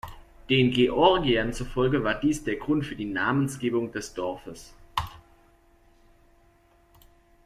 Den Georgiern zufolge war dies der Grund für die Namensgebung des Dorfes.